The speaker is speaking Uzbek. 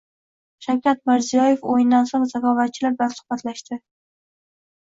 Shavkat Mirziyoyev o‘yindan so‘ng zakovatchilar bilan suhbatlashdi